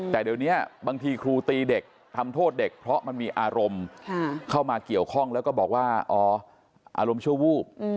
แต่เดี๋ยวนี้บางทีครูตีเด็กทำโทษเด็กเพราะมันมีอารมณ์เข้ามาเกี่ยวข้องแล้วก็บอกว่าอ๋ออารมณ์ชั่ววูบ